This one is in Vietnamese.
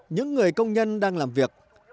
những người công nhân đang làm việc